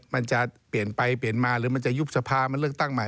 มันจะเปลี่ยนไปเปลี่ยนมาหรือมันจะยุบสภามันเลือกตั้งใหม่